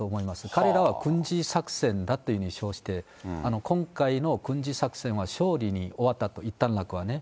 彼らは軍事作戦だというふうに称して、今回の軍事作戦は勝利に終わったと、いったんはね。